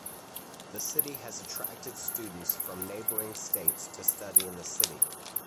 The city has attracted students from neighbouring states to study in the city.